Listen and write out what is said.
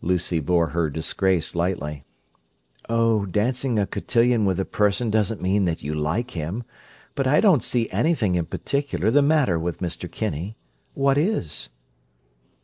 Lucy bore her disgrace lightly. "Oh, dancing a cotillion with a person doesn't mean that you like him—but I don't see anything in particular the matter with Mr. Kinney. What is?"